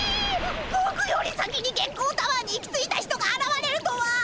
ぼくより先に月光タワーに行き着いた人があらわれるとは。